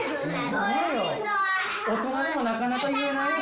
大人でもなかなか言えないよ